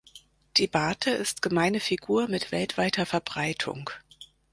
Die Barte ist gemeine Figur mit weltweiter Verbreitung.